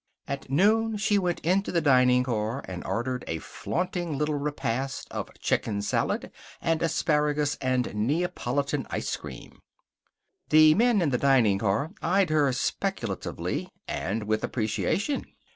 At noon she went into the dining car and ordered a flaunting little repast of chicken salad and asparagus and Neapolitan ice cream. The men in the dining car eyed her speculatively and with appreciation.